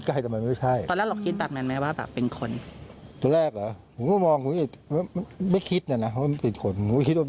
วัตถุขายผมอยู่แถวนั้นผมก็ลอง